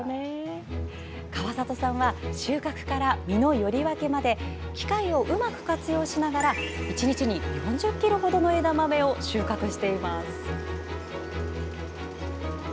川里さんは収穫から、実のより分けまで機械をうまく活用しながら１日に４０ｋｇ程の枝豆を収穫しています。